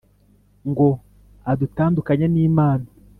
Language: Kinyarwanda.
ngo adutandukanye n’Imana